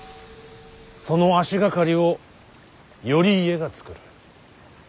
その足掛かりを頼家が作る。